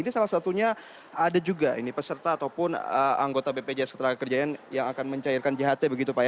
ini salah satunya ada juga peserta ataupun anggota bpjs ketara kerjayaan yang akan mencairkan jahat tbpjs